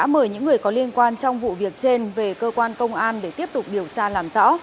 mời những người có liên quan trong vụ việc trên về cơ quan công an để tiếp tục điều tra làm rõ